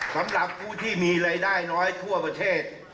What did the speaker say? สำหรับผู้ที่มีรายได้น้อยทั่วประเทศ